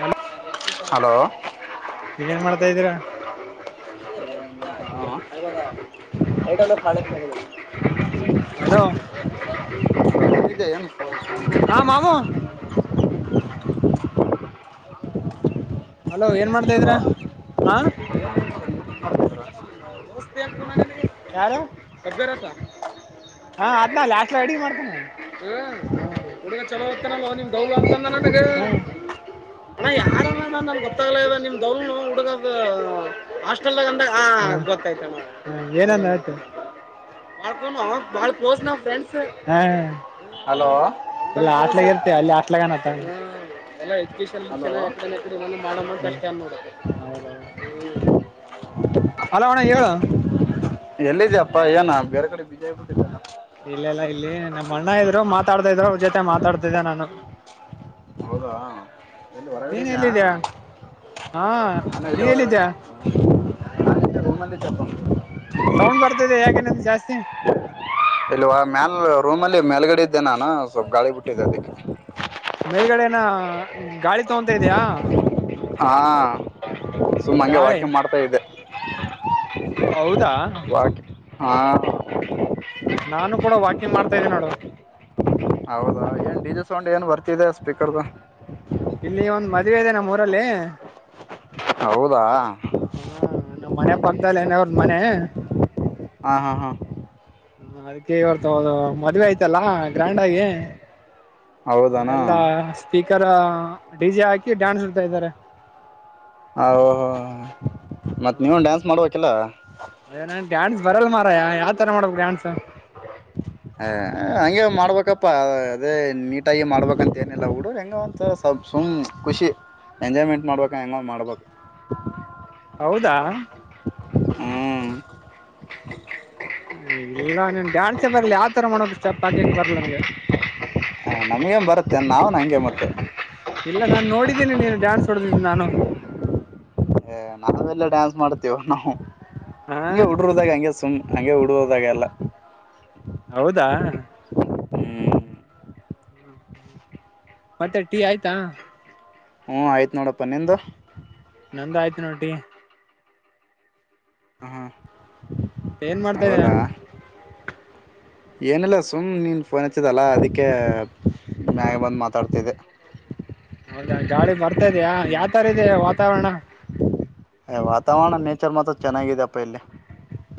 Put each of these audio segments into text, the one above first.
Hello hello ಅ ಇದ್ರಾ ಎ ಭಳೆ ಹ್ಮ್ಮ್. ಹಲೋ ಇದೆ ಅ ಹ್ಮ್ಮ್. ಹಾ [inaudible] ಮಾಮು ಅಲೋ ಏನ್ ಮಾಡ್ತಾ ಇದಿರ ಹಾ ್ತ ಹುಗ ಚಲೋಗ್ತ ನಿದ ಅಂತ ಯಾರ ಗೊತ್ತಾಗ್ಲ ನಿಮ್ ದವಲ್ನು ಹುಡುಗದ ಹಸ್ಟೆಲ್ಾಗ ಅಂದ ಏನ ಕ್ಲೋಸ್ ನಾವ ಫ್ರಂಡ್ ಹ ಹಲೋ ಅ ಇರ್ತ ಅಲ್ಲಿ ಆಟ್ಲಗ ಹಲೋ ಎಡಡೆನ ಬಾಳ ಹೌದು ಹೌದು ಹಲೋ ಹಾ ಹೇಳ ಎಲ್ಲಿದ ಅಪ್ಪಾ ಏನ ಬೇರೆ ಕಡೆ ವಿಜಯ್ ಬಿುಟ್ಟಿದ್ದ ಇಲ್ಲೆಲ್ಲಾ ಇಲ್ಲಿ ನಮ್ಮ ಅಣ್ಣ ಇದ್ರು ಮಾತಾಡ್ತಾ ಇದ್ರು ಅವ್ರ ಜೊತೆ ಮಾತಾಡ್ತಿದ್ದೆ ನಾನು ಹೌದಾ ಇಲ್ಲಿ ನೀನ್ ಹೊರಗಡೆದಯಗ ಎಲ್ಲಿದ್ಯಾ ಹಾ ನೀ ಎಲ್ಲಿದ್ಯಾ ತ ಸೌಂಡ್ ಬರ್ತದೆ ಯಾಕನಂದು ಜಾಸ್ತಿ ಇಲ್ವಾ ಮ್ಯಾಲ್ ರೂಮಲ್ಲಿ ಮೇಲ್ಗಡೆ ಇದ್ದೆ ನಾನು ಸ್ವಲ್ಪ ಗಾಳಿ ಬಿಟ್ಟಿದ್ದೆ ಅದಕ್ಕೆ ಮೇಲ್ಗಡೆನ ಗಾಳಿ ತಗೊತ ಇದಯಾ ಹಾ ಸುಮ್ಮ ಹಂಗೆ ವಾಕಿಂಗ್ ಮಾಡ್ತಾ ಇದ್ದೆ ಹೌ ಓಕೆ ಹಾ ನಾನು ಕೂಡ ವಾಕಿಂಗ್ ಮಾಡ್ತಾ ಇದ್ದೀನಿ ನೋಡು ಹೌದಾ ಏನ್ ಡಿ ಜೆ ಸೌಂಡ್ ಏನ್ ಬರ್ತಿದೆ ಸ್ಪೀಕರ್ದು ಇಲ್ಲಿ ಒಂದ್ ಮದುವೆ ಇದೆ ನಮ್ಮ್ ಊರಲ್ಲಿ ಹೌದಾ ಹಾ ನಮ್ಮ್ ಮನೆ ಪಕ್ಕ್ದಲ್ಲೇನೆ ಅವ್ರದ ಮನೆ ಹಾ ಹಾ ಹಾ ಹ ಅದಕ್ಕೆವರ್ತದು ಮದ್ವೆ ಆಯ್ತಲ್ಲ ಗ್ರ್ಯಾಂಡ್ ಆಗಿ ಹ ಹೌದಾನ ಎಲ್ಲಾ ಸ್ಪೀಕರ್ ಹ ಡಿ ಜೆ ಹಾಕಿ ಡ್ಯಾನ್ಸ್ ಇಡ್ತಾ ಇದ್ದಾರೆ ಹಹೋ ಮತ್ತ್ ನೀವು ಡ್ಯಾನ್ಸ್ ಮಾಡಬೇಕಕಿಲ್ಲ ಅದೇ ನನ್ ಡ್ಯಾನ್ಸ್ ಬರಲ್ ಮಾರಾಯ ಯಾವತರ ಮಾಡ್ಬೇಕ್ ಡ್ಯಾನ್ಸ್ ಹ ಹಂಗೆ ಮಾಡ್ಬೇಕಪ್ಪಾ ಅದೇ ನೀಟಾಗಿ ಮಾಡ್ಬೇಕಂತ ಏನಿಲ್ಲ ಹುಡು ಹೆಂಗ ಒಂತ ಸುಮ್ ಖುಷಿ ಎಂಜಾಯ್ಮೆಂಟ್ ಮಾಡ್ಬೇಕ ಹೆಂಗ ಮಾಡ್ಬೇಕ ಹೌದಾ ಹ್ಮ್ ಇಲ್ಲಿಗ ನೀನ್ ಡ್ಯಾನ್ಸ ಬರ್ಲಿ ಯಾವ್ ತರ ಮಾಡೋಕ್ ಸ್ಟೆಪ್ ಹಾಕಕೆ ಬರ್ಲ ನನ್ಗೆ ಹ ನಮ್ಗೆನ್ ಬರತ್ತೇ ನಾವ್ನಂಗೆ ಮತ್ತ ಇಲ್ಲ ನಾನ್ ನೋಡಿದ್ದೇನಿ ನೀನು ಡ್ಯಾನ್ಸ್ ಹೊಡದಿದ್ದು ನಾನು ನಾವೆಲ್ಲ ಡ್ಯಾನ್ಸ್ ಮಾಡ್ತೀವ ನಾವು ಹಾ ಹಂ ಉಡರುದಾಗೆ ಹಂಗೆ ಸುಮ್ ಹಂಗೆ ಉಡುವದಾಗೆಲ್ಲ ಹೌದಾ ಹ್ಮ್ಮ ಹ್ಮ ಹ್ಮ ಮತ್ತೆ ಟೀ ಆಯ್ತಾ ಹ್ಮ ಆಯ್ತ್ ನೋಡಪ್ಪ ನಿಂದು ನಂದ ಆಯ್ತು ನೋಡಿ ಟೀ ಹ ಏನ್ ಮಾಡ್ತಾ ಇದ ಹೌದಾ ಏನಿಲ್ಲ ಸುಮ್ ನೀನ್ ಫೋನ್ ಹಚ್ಚಿದಲ್ಲ ಅದಕ್ಕೆ ಮ್ಯಾಗ ಬಂದು ಮಾತಾಡ್ತಿದ್ದೆ ಹೌದಾ ಗಾಳಿ ಬರ್ತಾ ಇದ್ಯಾ ಹ್ಮ್ ಯಾವತರ ಇದೆ ವಾತಾವರಣ ಅ ವಾತಾವರಣ ನೇಚರ್ ಮಾತ್ರ ಚೆನ್ನಾಗಿದೆಪ್ಪ ಇಲ್ಲಿ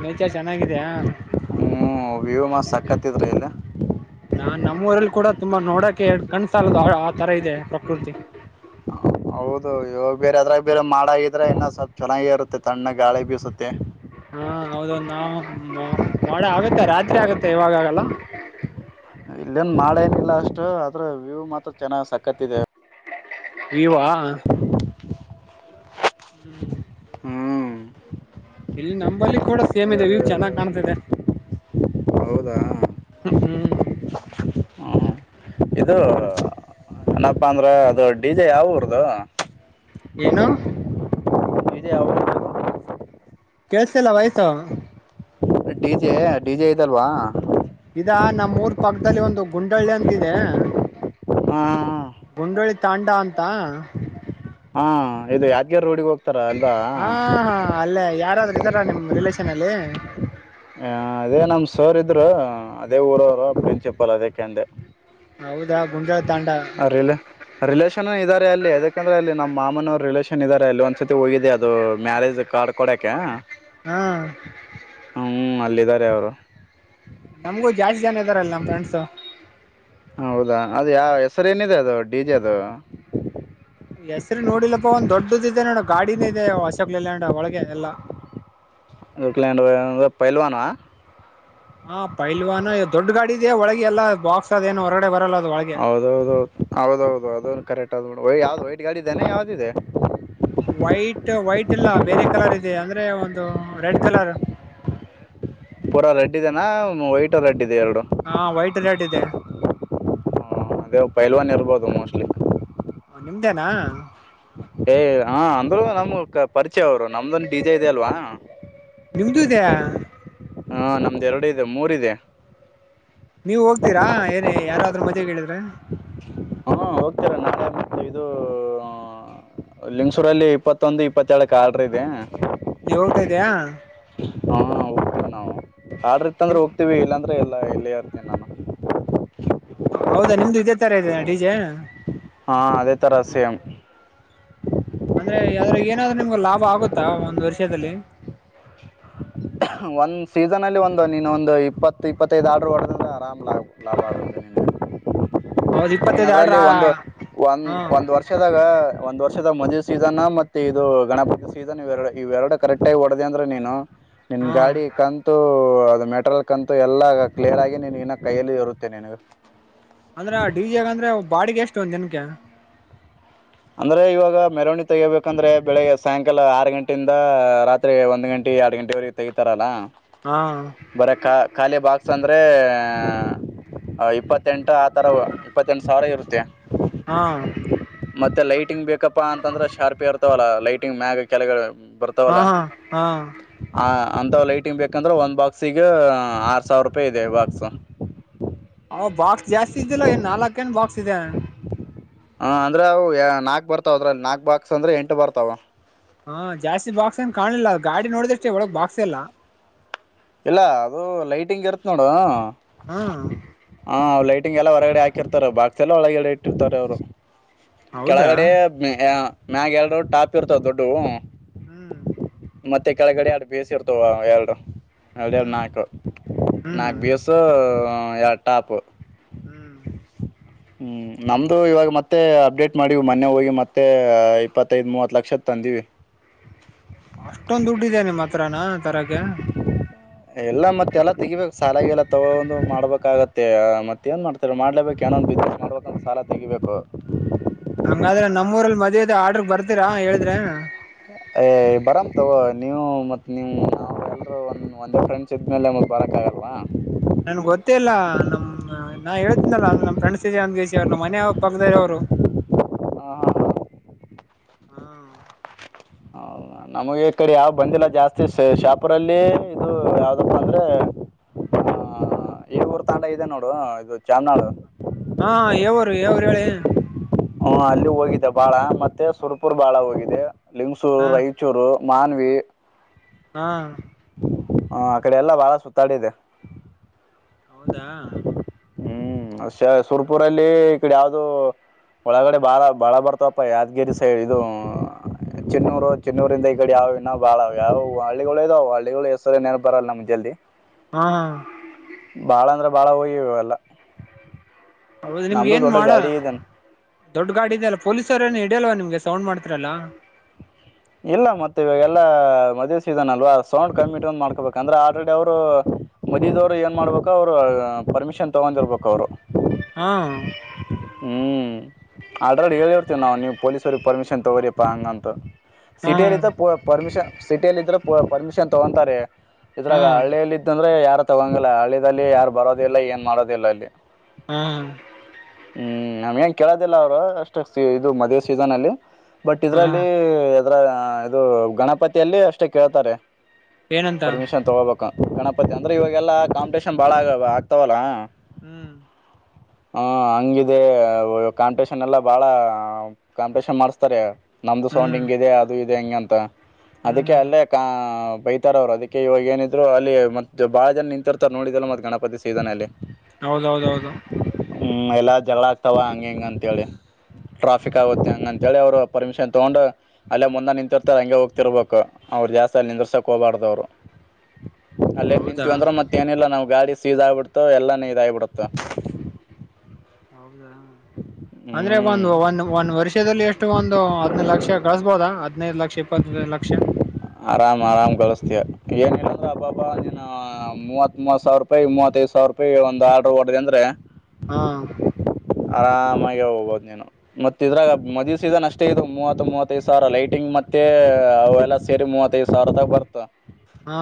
ಮಚಾ ಚೆನ್ನಾಗಿದ್ಯಾ ಹ್ಞೂ ವ್ಯೂ ಮಸ್ತ್ ಸಕ್ಕತ್ತಿದ್ರೆ ಇಲ್ಲಿ ನಾ ನಮ್ಮೂರಲ್ಲಿ ಕೂಡ ತುಂಬಾ ನೋಡಕೆ ಕಣ್ಣ ಸಾಲದು ಆ ತರ ಇದೆ ಪ್ರಕೃತಿ ಹೌದು ಇವಾಗ ಬೇರೆ ಅದ್ರಾಗ ಬೇರೆ ಮಾಡಾಗಿದ್ರೆ ಇನ್ನ ಸ್ವಲ್ಪ್ ಚೆನ್ನಾಗಿ ಇರುತ್ತೆ ತಣ್ಣ ಗಾಳಿ ಬೀಸುತ್ತೆ ಹಾ ಹೌದು ಒ ನಾವು ವಾಡ ಮಾಡ ಆಗತ್ತೆ ರಾತ್ರಿ ಆಗತ್ತೆ ಇವಾಗ ಆಾಗಲ್ಲ ಇಲ್ಲೇನ್ ಮಾಡೇನಿಲ್ಲ ಅಷ್ಟು ಅದ್ರ ವ್ಯೂ್ ಮಾತ್ರ ಚೆನ್ನಾಗ ಸಕತ್ತ ಇದೆ ಇವಾ ಹ್ಮ್ ಹ್ಮ್ ಇಲ್ಲಿ ನಂಬಲ್ಲಿ ಕೂಡ ಸೇಮ್ ಇದೆ ವ್ಯೂ ಚೆನ್ನಾಗಿ್ ಕಾಣ್ತಿದೆ ಹೌದಾ ಹ್ಮ್ ಹ್ಮ್ ಇದು ಏನಪ್ಪ ಅಂದ್ರ ಅದು ಡಿಜೆ ಯಾ ಊರದು ಏನು ಇದ ಹ ಕೆಳಸ್ತಿಲ್ voice D J D J ಇದಲ್ವಾ ಇದ ನಮ್ಮ್ ಮೂರ್ ಪಕ್ಕದಲ್ಲಿ ಒಂದು ಗುಂಡಳ್ಳಿ ಅಂತಿದೆ ಹಾ ಗುಂಡೋಳಿ ತಾಂಡ ಅಂತ ಹಾ ಇದು ಯಾದ್ಗ್ಯಾರ್ ರೋಡಿಗೆ ಹೋಗತ ಹಾ ಹಾ ಅಲ್ಲೇ ಯಾರಾದ್ರೂ ಇದರಾ ನಿಮ್ ರಿಲೇಷನ್ ಅಲ್ಲಿ ಹ ಅದೇ ನಮ್ ಸೋರ್ ಇದ್ರು ಅದೇ ಊರವರು ಪ್ರಿನ್ಸಿಪಲ್ ಅದಕ್ಕೆಂದೆ ಹೌದಾ ಗುಂಡಾಳ ತಾಂಡ ರಿ ರಿಲೇಷನ್ ಇದ್ದಾರೆ ಅಲ್ಲಿ ಯದಕಂದ್ರೆ ಅಲ್ಲಿ ನಮ್ಮ್ ಮಾಮನವ್ರು ರಿಲೇಷನ್ ಇದ್ದಾರೆ ಅಲ್ಲಿ ಒಂದ್ಸತಿ ಹೋಗಿದೆ ಅದು ಮ್ಯಾರೇಜ್ ಕಾರ್ಡ್ ಕೊಡಕ ಹ್ಮ ಹ್ಮ್ ಅಲ್ಲಿದ್ದಾರೆ ಅವರು ನಮಗೂ ಜಾಸ್ತಿ ಜನ ಇದ್ದಾರಲ್ಲ ನಮ್ಮ್ ಫ್ರೆಂಡ್ಸ ಸರ್ ಏನಿದೆ ಅದು ಡಿ ಜೆ ಅದು ಹೆಸ್ರ ನೋಡಿಲ್ಲ ಒಂದ ದೊಡ್ಡದ ಇದೆ ನೋಡ ಗಾಡಿನ ಇದೆ ಅಶೋಕ್ ಲೈಲ್ಯಾಂಡ್ ಒಳಗೆ ಎಲ್ಲ ಗಕಲಂಡ ಪಲ್ವಾನ ಹಾ ಪೈಲ್ವಾನ ದೊಡ್ಡ ಗಾಡ ಇದೆಯ ಒಳಗೆ ಎಲ್ಲ ಬಾಕ್ಸ್ ಅದೇಏನು ಹೊರಗಡೆ ಬರಲ್ಲದು ಹೌದೌದುೌದೌದು ಅದ ಕರೆಕ್ಟ್ ಆದ್ ಯಾವ್ದ್ ವೈಟ್ ಗಾಡಿ ಇದನೆ ಯಾವ್ದ ಇದೆ ವೈಟ್ ವೈಟ್ ಇಲ್ಲ ಬೇರೆ ಕಲರ್ ಇದೆ ಅಂದ್ರೆ ಒಂದು ರೆಡ್ ಕಲರ್ ಪೂರಾ ರೆಡ್ದೆನಾ ವೈಟ್ ರಡ್ಡಿ ಹಾ ವೈಟ್ ರೆಡ್ ಇದೆ ಹ ಅದೇ ಪೈಲ್ವನ್ ಇರ್ಬೋದು ಮೋಸ್ಟ್ಲಿ ನಿಮ್ದೇನಾ ಏ ಹ ಅಂದ್ರು ನಮ್ ಪರಿ ಇಚ್ಚೆ ಅವರು ನಮ್ದಂದು ಡಿಜೆ ಇದದೆ ಅಲ್ವಾ ನಿಮ್ದು ಇದೆಯಾ ಹಾ ನಮ್ದ ಎರಡು ಇದೆ ಮೂರ ಇದೆ ನೀವ ಹೋಗ್ತೀರಾ ಏನ ಯಾರಾದ್ರೂ ಮದ್ವೆ ಕೇಳಿದ್ರೆ ಹಾ ಹೋಗ್ತೀರ ನ ಇದು ಲಿಂಗ್ಸೂರಲ್ಲಿ ಇಪ್ಪತ್ತೊಂದು ಇಪ್ಪತ್ತಏಳ ಕ ಆ್ರ ಇದೆ ನೀವ್ ಹೋಗ್ತಾ ಇದ ಇದಯ ಹಾಊ ನ ಆದ್ರಿತ್ತ ಅ್ರ ಹೋಗ್ತಿವಿ ಇಲ್ಲಂದ್ರೆ ಹೇಳ ಇಲ್ಲೆಯಾರ್ತೇನೆ ನಾನು ಹೌದಾ ನಿಮ್ದು ಇದೇ ತರ ಇದದೆ ಡೀಜೆ ಹಾ ಅದೇ ತರ ಸೇಂ ಅಂದ್ರೆ ಅ್ರ ಏನಾದ್ರು ನಿಮ್ಗ ಲಾಭ ಆಗುತ್ತಾ ಒಂದ್ ವರ್ಷದಲ್ಲಿ ಒಂದು ಸೀಸನ್ಲ್ಲಿ ಒಂದು ನೀನು ಒಂದು ಇಪ್ಪತ್ತು ಇಪ್ಪತ್ತೈದು ಆರ್ಡರು ಹೊಡೆದ್ರಿಂದೆ ಆರಾಮ್ ಲಾಭ ಲಾಭ ಆಡಿ ನಿನಗೆ ಹೌದ್ ಇಪ್ಪತ್ತೈದು ಆರ್ಡ್ರ ಏನದ್ರಲ್ಲಿ ಒಂದು ಒಂದ್ ಹಾ ಒಂದ್ ವರ್ಷದಾಗ ಒಂದ್ ವರ್ಷ ವದ ಮದುವೆ ಸೀಸನ್ ಮತ್ತೆ ಇದು ಗಣಪತಿ ಸೀಸನ್ ಇರಡು ಇವೆರಡು ಕರೆಕ್ಟ ಆಗ ಹೊಡೆದೆ ಅಂದ್ರೆ ನೀನು ನಿನ್ ಹಾ ಗಾಡಿ ಕಂತು ಅದು ಮೆಟರಿಯಲ್ ಅಂತು ಎಲ್ಲ ಕ್ಲಿಯರ್ ಆಗಿ ನೀ ಇನ್ನ ಕೈಯಲ್ಲಿ ಇರುತ್ತೇನೆ ನಿನಗ ಅಂದ್ರೆ ಡಿ ಜಿಯಗ ಅಂದ್ರೆ ಬಾಡಿಗೆ ಎಷ್ಟ್ ಎಷ್ಟು ದಿನಕ್ಕೆ ಅಂದರೆ ಇವಾಗ ಮೆರವಣಿಗೆ ತೆಗೋಬೇಕಂದ್ರೆ ಬೆಳಗ್ಗೆ ಸಾಯಂಕಾಲ ಆರು ಗಂಟೆಯಿಂದ ರಾತ್ರಿ ಒಂದು ಗಂಟೆ ಎರಡು ಗಂಟೆವರೆಗೆ ತೆಗಿತಾರಲ್ಲ ಹಾ ಬರಾ ಖಾಲಿ ಬಾಕ್ಸ್ ಅಂದ್ರೆ [inaudible] ಇಪ್ಪತ್ತೆಂಟು ಆ ತರ ಇಪ್ಪತ್ತೆಂಟು ಸಾವಿರ ಇರುತ್ತೆ ಹಾ ಮತ್ತೆ ಲೈಟಿಂಗ್ ಬೇಕಪ್ಪ ಅಂತಂದ್ರೆ ಶಾರ್ಪ್ ಯಾರ ಇವಲ್ಲ ಲೈಟಿಂಗ್ ಮ್ಯಾಗ ಕೆಳಗಳು ಹಾ ಹಾ ಹಾ ಅಂತ ಲೈಟಿಂಗ್ ಬೇಕಂದ್ರೆ ಒಂದು ಬಾಕ್ಸಿಗೆ ಆರು ಸಾವಿರ ರೂಪಾಯಿ ಇದೆ ಬಾಕ್ಸ್ ಅವ ಬಾಕ್ಸ್ ಜಾಸ್ತಿ ಇದ್ದಿಲ್ಲ ಏನ್ ನಾಲ್ಕ ನ್ ಬಾಕ್ಸ್ ಇದೆ ಹ ಅಂದ್ರೆ ಅವು ನಾಕ್ ಬರ್ತಾವ ಅದ್ರಲ್ಲಿ ನಾಕ್ ಬಾಕ್ಸ್ ಅಂದ್ರೆ ಎಂಟು ಬರ್ತಾವ ಹಾ ಜಾಸ್ತಿ ಬಾಕ್ಸನ್ ಕಾಣಿಲ್ಲ ಅ ಗಾಡಿ ನೋಡಿದಷ್ಟೇ ಒಳಗ್ ಬಾಕ್ಸ್ ಎಲ್ಲ ಇಲ್ಲ ಅದು ಲೈಟಿಂಗ್ ಇರತ್ ನೋಡು ಹಾ ಹಾಂ ಲೈಟಿಂಗ್ ಎಲ್ಲ ಹೊರಗಡೆ ಹಾಕಿರ್ತಾರೆ ಭಾಗ್ ಎಲ್ಲ ಒಳಗಡೆ ಇಟ್ಟಿರ್ತಾರೆ ಅವರು ಹೌದಾ ಕೆಳಗಡೆ [unintelligible] ನಾಗ ಹೇಳರು ಟಾಪ್ ಇರ್ತವ ದೊಡ್ಡು ಹ್ಮ್ ಮತ್ತೆ ಕೆಳಗಡೆ ಎರಡು ಬೇಯಿಸಿರ್ತವ ಎರಡು ಎ್ದ ಹ್ಮ್ ನಾಕು ಹ್ಮ್ ನಾಕ್ ಬೇಸು ಯಾರ ಟಾಪ್ ಹ್ಮ್ ಹ್ಮ್ ನಮ್ದು ಇವಾಗ ಮತ್ತೆ ಅಪ್ಡೇಟ್ ಮಾಡೀ ಮೊನೆ ಹೋಗಿ ಮತ್ತೆ ಇಪ್ಪತ್ತೈದ್ ಮೂವತ್ ಲಕ್ಷದ ತಂದಿವವಿ ಅಷ್ಟೊಂದು ದುಡ್ಡುದ್ದನೆೆ ಮತ್ತೆ ಹತ್ರಾನ ತರಕ್ಕೆ ಎಲ್ಲಾ ಮತ್ತೆಲ್ಲ ತೆಗಿಬೇಕು ಸಾಲಾಗಲ್ಲಾ ತಗೊಂದು ಮಾಡ್ಬೇಕಾಗತ್ತೆ ಮತ್ತತ್ ಏನ್ ಮಾಡ್ತಾರೆ ಮಾಡ್ಲೇಬೇಕು ಏನೊಂದು ಬಿದ ಮಾಡ್ಬೇಕಂದ್ರ ಸಾಲ ತೆಗಿಬೇಕು ಹಂಗಾದ್ರೆ ನಮ್ಮೂಊರಲ್ಲಿ ಮದ್ದ ಆರ್ಡ್ರಗ್ ಬರ್ತೀರಾ ಹೇಳಿದ್ರೆ ಏ ಬರಾಮ ತಗೋ ನೀವು ಮತ್ತತ್ ನಿಮ್ ಎಲ್ರೂ ಒ ಒಂದೇ ಫ್ರೆಂಡ್ಸ್ ಇದಿದ್ಮೇಲೆ ಮತ್ ಬರಕ್ ಆಗಲ್ವಾ ನನ್ಗ್ ಗೊತ್ತೇ ಇಲ್ಲ ನಮ್ ನಾ ಹೇಳ್ತೀನಲ್ಲ ಅಂದ್ರ ನಮ್ ಫ್ರೆಂಡ್ಸ್ ಇದೆ ಅಂದ್ಗೇಸಿ ಅವ್ರು ನಮ್ಮ ಮನೆ ಪಕ್ಕದವ್ರು ಹಾ ಹಾ ಹ ಹಾ ಹೌದ ನಮಗೆ ಈ ಕಡೆ ಯಾವ ಬಂದಿಲ್ಲ ಜಾಸ್ತಿ ಶಾಪುರಲ್ಲಿ ಇದು ಯಾವ್ದಪ್ಪ ಅಂದ್ರೆ ಆ ಈರ ತಾಂಡ ಇದೆ ನೋಡು ಇದು ಚಾಮನಾಳ ಹಾ ಯವರು ಯವರು ಹೇಳಿ ಹ್ಮ ಅಲ್ಲಿ ಹೋಗಿದ್ದ ಬಾಳ ಮತ್ತೆ ಸುರ್ಪುರ್ ಬಾಳ ಹೋಗಿದೆ ಲಿಂಗ್ಸೂರು ಹಾ ರಾಯಚೂರು ಮಾನ್ವಿ ಹಾ ಹಾ ಆ ಕಡೆ ಎಲ್ಲಾ ಬಾಳ ಸುತ್ತಾಡಿದೆ ಹೌದಾ ಹ್ಮ್ ಅ ಸುರ್ಪುರಲ್ಲಿ ಈ ಕಡೆ ಯಾವ್ದ ಒಳಗಡೆ ಬಾಳ ಬಾಳ ಬರ್ತಾವಪ್ಪ ಯಾದಗಿರಿ ಸೈಡ್ ಇ ಚಿನ್ನೂರು ಚಿನ್ನೂರಿಂದ ಈ ಕಡೆ ಯಾವ ಇನ್ನಾವ್ ಬಾಳ ಯಾವ್ ಹಳ್ಳಿಗಳು ಇದಾವ ಹಳ್ಳಿಗಳು ಹೆಸರನ ಬರಲ್ಲ ನಮ್ ಜಲ್ದಿ ಹಾ ಬಾಳ ಹಯ್ಯವಲ್ಲ ಹೌದು ನಿಮ್ಗೆ ಏನ್ ದೊಡ್ಡ ಮಾಡ ಗಾಡಿ ಇದೆ ದೊಡ್ ಗಾಡಿ ಇದಲ್ಲ ಪೊಲೀಸರ ಏನ್ ಇಲ್ವಾ ನಿಮ್ಗೆ ಸೌಂಡ್ ಮಾಡ್ತರಲ್ಲ ಇಲ್ಲ ಮತ್ತೆ ಇವಾಗ ಎಲ್ಲ ಮದೀದ್ ಸೀಸನ್ ಅಲ್ವಾ ಸೌಂಡ್ ಕಮ್ಮಿಟ್ ಒಂದ್ ಮಾಡ್ಕೊಬೇಕ ಅಂದ್ರೆ ಆಲ್ರೆಡಿ ಅವ್ರು ಮದೀದ್ ಅವರು ಏನ್ ಮಾಡ್ಬೇಕು ಅವ್ರು ಪರ್ಮಿಷನ್ ತಗೊಂಡಿರ್ಬೇಕ ಅವ್ರು [inaudible] ಹಾ ಹ್ಮ್ ಆಲ್ರೆಡಿ ಹೇಳಿರ್ತೀವ ನಾವು ನೀವು ಪೊಲೀಸ್ವ್ರರಿಗೆ ಪರ್ಮಿಷನ್ ತಗೋರಿಪ್ಪಾ ಹಂಗ ಅಂತ ಹಾ ಸಿಟಿಯಲ್ಲಿದ್ದ ಪರ್ಮಿಷನ್ ಸಿಟಿಯಲ್ಲಿ ಇದ್ರೆ ಪರ್ಮಿಷನ್ ತಗೊಂತಾರೆ ಹಾ ಇದ್ರಾಗ ಹಳ್ಳಿಯಲ್ಲ ಇದ್ದಂದ್ರೆ ಯಾರ ತಗೊಂಗಲ್ಲ ಹಳ್ಳಿಲ್ಲಿ ಯಾರು ಬರೋದಿಲ್ಲ ಏನ್ ಮಾಡೋದಿಲ್ಲ ಅಲ್ಲಿ ಹ್ಮ್ ಹ್ಮ್ ನಮ್ಗೆ ಹೆಂಗ ಕೇಳೋದಿಲ್ಲ ಅವ್ರು ಅಷ್ಟ ಇದು ಮದ್ ಸೀಸನ್ ಅಲ್ಲಿ ಬಟ್ ಹಾ ಇದ್ರಲ್ಲಿ ಅ್ರ ಇದು ಗಣಪತಿಯಲ್ಲಿ ಅಷ್ಟೇ ಕೇಳ್ತಾರೆ ಏನಂತ ಪರ್ಮಿಷನ್ ತಗಬೇಕಕ್ಕ ಗಣಪತಿ ಅಂದ್ರೆ ಇವಾಗೆಲ್ಲಾ ಕಾಂಪಿಟೇಷನ್ ಬಾಳ ಆಗ್ತವಲ್ಲಾ ಹ್ಮ್ ಹ ಹಂಗಿದೆ ಕಾಂಪಿಟೇಷನ್ ಎಲ್ಲಾ ಬಾಳ ಕಾಂಪಿಟೇಷನ್ ಮಾಡಸ್ತಾರೆ ನಮ್ದು ಸೌಂಡ್ ಹ್ಮ್ ಹಿಂಗ ಇದೆ ಅದು ಇದೆ ಹೆಂಗಂತ ಹ್ಮ್ ಅದಕ್ಕೆ ಹ್ಮ್ ಅಲ್ಲೇ ಕ ಬೈತಾರ ಅವ್ರು ಅದಕ್ಕೆ ಇವಾಗ ಏನಿದ್ರು ಅಲ್ಲಿ ಮತ್ತ ಬಹಳ ಜನ ನಿಂತಿರ್ತಾರ ನೋಡಿದಲ್ಲ ಮತ್ತ ಗಣಪತಿ ಸೀಸನ್ ಅಲ್ಲಿ ಹೌದೌದೌದು ಹ ಎಲ್ಲಾ ಜಗಳ ಆಗ್ತಾವ ಹಂಗ ಹಿಂಗ ಅಂತ ಹೇಳಿ ಟ್ರಾಫಿಕ್ ಆಗುತ್ತೆ ಹೆಂಗಂತ ಹೇಳಿ ಅವರು ಪರ್ಮಿಷನ್ ತಗೊಂಡು ಅಲ್ಲೇ ಮುಂದೆ ನಿಂತಿರ್ತಾರೆ ಹಂಗೆ ಹೋಗ್ತಿರ್ಬೇಕು ಅವ್ರು ಜಾಸ್ತಿ ಅಲ್ಲಿ ನಿಂದ್ರಸಕ್ ಹೋಗ್ಬಾರ್ದವ್ರು ಅಲ್ಲೇ ಹೌದಾ ನಿಂತೀವಿ ಅಂದ್ರ ಮತ್ತೇನಿಲ್ಲ ನಾವ್ ಗಾಡಿ ಸೀದಾಗಿಬಿಡ್ತೋ ಎಲ್ಲಾ ನೀ ಇದಾಗಿಬಿಡತು ಅಂದ್ರೆ ಹ್ಮ್ ಒಂದು ಒಂದ ಒಂದ್ ವರ್ಷದಲ್ಲಿ ಎಷ್ಟು ಒಂದು ಹದ್ನೈದು ಲಕ್ಷ ಕಳಸ್ಬೋದಾ ಹದ್ನೈದು ಲಕ್ಷ ಇಪ್ಪತ್ ಲಕ್ಷ ಏನ್ ಹೇಳದಬ್ಬಾಬಾ ನೀ ಮೂವತ್ ಮೂವತ್ ಸಾವಿರ ರೂಪಾಯಿ ಮೂವತ್ತೈದು ಸಾವಿರ ರೂಪಾಯಿ ಒಂದು ಆರ್ಡ್ರ ಹೊಡ್ದ ಅಂದ್ರೆ ಹಾ ಆರಾಮಾಗಿ ಹೋಗ್ಬಹದು ನೀನು ಮತ್ತ ಇದ್ರಾಗ ಮದುವ ಸೀದನ್ ಅಷ್ಟೇ ಇದು ಮೂವತ್ತು ಮೂವತ್ತೈದು ಸಾವಿರ ಲೈಟಿಂಗ್ ಮತ್ತೆ ಅವೆಲ್ಲ ಸೇರಿ ಮೂವತ್ತೈದು ಸಾವಿರದಾಗ ಬರ್ತ ಹಾ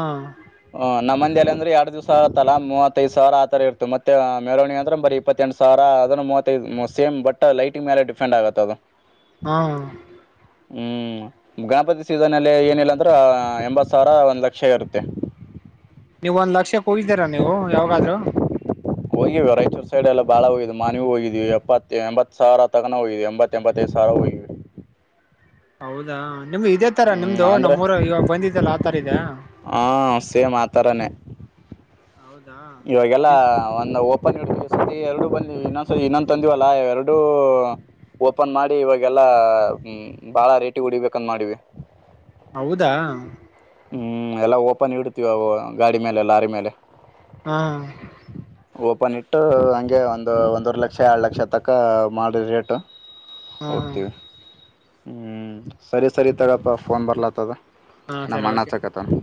ಹ್ಮ್ ನಮ್ಮ ಮಂದೇಲಿ ಅಂದ್ರೆ ಎರಡು ದಿವ್ಸ ಆತ್ತಲ್ಲಾ ಮೂವತ್ತೈದು ಸಾವಿರ ಆತರ ಇರ್ತ ಮತ್ತ ಮೇರವಣ ಅಂದ್ರ ಬರಿ ಇಪ್ಪತ್ತ ಎಂಟು ಸಾವಿರ ಅ ಮೂವತ್ತೈದು ಸೇಮ್ ಬಟ್ ಲೈಟಿಂಗ ಮೇಲೆ ಡಿಪೆಂಡ್ ಆಗುತ್ತೆ ಅದು ಹಾ ಹ್ಮಞ ಗಣಪತಿ ಸೀಸನಲ್ಲಿ ಏನಿಲ್ಲಾಂದ್ರೆ ಎಂಬತ್ತು ಸಾವಿರ ಒಂದು ಲಕ್ಷ ಇರುತ್ತೆ ನೀವ ಒಂದ್ ಲಕ್ಷ ಕೂಯತೀರ ನೀವು ಯಾವಾಗಾದ್ ರ ಹೋಗಿವೆ ರಾಯಚೂರು ಸೈಡ್ ಎಲ್ಲ ಬಾಳ ಹೋಗಿದ್ ಮನವಿ ಹೋಗಿದೀವಿ ಎಪ್ಪತ್ತ ಎಂಬತ್ತು ಸಾವಿರ ತಗನ ಹೋಗಿದೀವಿ ಎಂಬತ್ ಎಂಬತ್ತೈದು ಸಾವಿ ಹೋಗಿವವಿ ಹೌದಾ ನಿಮ್ ಇದೇ ತರ ನಿಮ್ದು ಅಂದ್ರೆ ನಮ್ಮ್ ಊರ ಇವಾಗ ಬಂದಿದ್ದಲ್ಲ ಆತರ ಇದೆ ಷ್ಟೇ ಮಾತರನ ಹೌದಾ ಇವಾಗೆಲ್ಲ ಒಂದು ಓಪನ್ ಇಡ್ವಿ ಸ ಎರಡು ಬಂದವಿ ಇನ್ನೊಂದ್ಸರಿ ಇನ್ನೊಂದು ತಂದಿವವಲ್ಲ ಎರಡು ಓಪನ್ ಮಾಡಿ ಇವಾಗೆಲ್ಲಾ ಬಾಳ ರೇಟಿ ಹೊಡಿಬೇಕಂದ ಮಾಡಿವಿ ಹೌದಾ ಹ್ಮ್ ಎಲ್ಲಾ ಓಪನ್ ಇಡ್ತಿವಿ ಅವು ಗಾಡಿ ಮೇಲೆ ಲಾರಿ ಮೇಲೆ ಹಾ ಓಪನ್ ಇಟ್ಟು ಹಂಗೆ ಒಂದು ಒಂದೂವರ್ ಲಕ್ಷ ಎರಳ್ ಲಕ್ಷ ತಕ್ಕ ಮಾಡ್ರ ರೇಟ್ ಹಾ ಹಾ ಹೋಗ್ತೀನಿ ಹ್ಮ್ ಸರಿ ಸರಿತಡಪ್ಪ ಫೋನ್ ಬರ್ಲಾತ್ತದ ಹಾ ಸರಿ ನಮ್ಮಣ್ಣ ಓಕೆ ಅಚ್ಚಖತನ